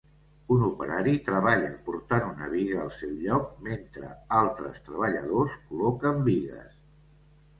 Un operari treballa portant una biga al seu lloc mentre altres treballadors col·loquen bigues.